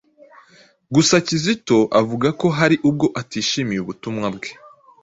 Gusa Kizito avuga ko hari ubwo atishimiye ubutumwa bwe